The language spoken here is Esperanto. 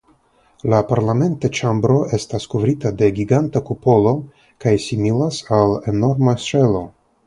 La parlamenta ĉambro estas kovrita de giganta kupolo kaj similas al enorma ŝelo.